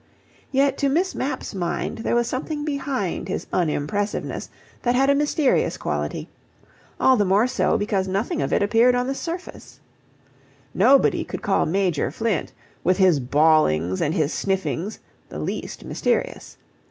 Yet to Miss Mapp's mind there was something behind his unimpressiveness that had a mysterious quality all the more so, because nothing of it appeared on the surface. Nobody could call Major Flint, with his bawlings and his sniffings, the least mysterious.